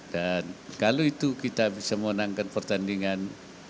dan kalau itu kita bisa menangkan pertandingan